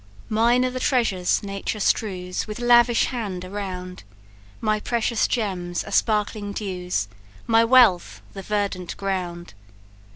"Mine are the treasures Nature strews With lavish hand around; My precious gems are sparkling dews, My wealth the verdant ground.